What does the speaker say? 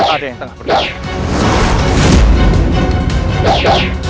ada yang tengah bergerak